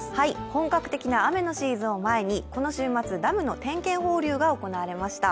本格的な雨のシーズンを前にこの週末、ダムの点検放流が行われました。